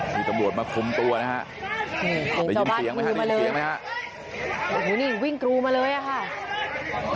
มีตำรวจมาคลุมตัวนะฮะยิงเสียงมาเลยฮะโอ้โหนี่วิ่งกรูมาเลยอ่ะค่ะ